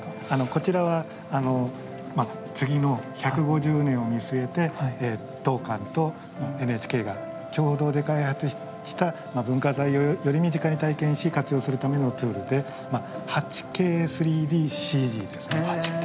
こちらは次の１５０年を見据えて当館とＮＨＫが共同で開発した文化財をより身近に体験し活用するためのツールで８Ｋ３ＤＣＧですね。